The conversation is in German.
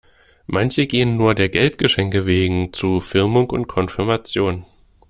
Manche gehen nur der Geldgeschenke wegen zu Firmung und Konfirmation.